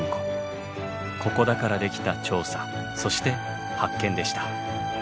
ここだからできた調査そして発見でした。